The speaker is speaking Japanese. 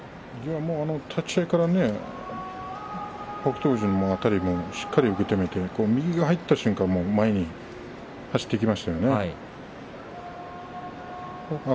立ち合いから北勝富士のあたりもしっかり受け止めて右が入った瞬間前に走っていきましたね。